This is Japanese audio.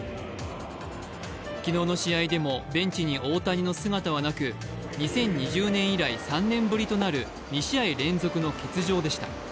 昨日の試合でもベンチに大谷の姿はなく２０２０年以来３年ぶりとなる２試合連続の欠場でした。